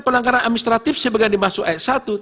pelanggaran administratif sebagai dimaksud ayat satu